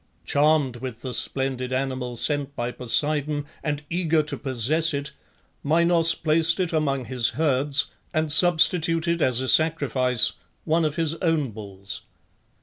Charmed with the splendid animal sent by Poseidon, and eager to possess it, Minos placed it among his herds, and substituted as a sacrifice one of his own bulls.